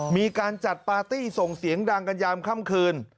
มีการจัดปาร์ตี้ส่งเสียงดังกันยามค่ำคืน